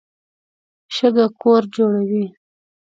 شګه کور جوړوي.